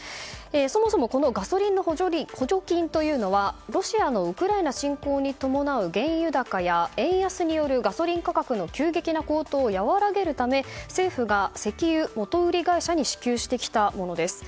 そもそもこのガソリンの補助金というのはロシアのウクライナ侵攻に伴う原油高や円安によるガソリン価格の急激な高騰を和らげるため政府が石油元売り会社に支給してきたものです。